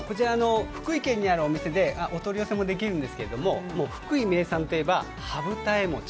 福井県にあるお店でお取り寄せもできるんですけど福井名産といえば羽二重餅。